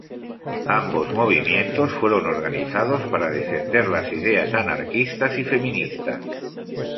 Ambos movimientos fueron organizados para defender las ideas anarquistas y feministas.